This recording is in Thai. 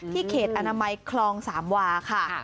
ที่เขตอนาไมคลอง๓วาคา